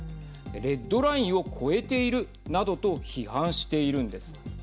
レッドラインを超えているなどと批判しているんです。